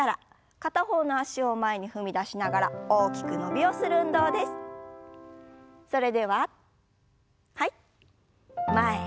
片方の脚を前に踏み出しながら大きく伸びをしましょう。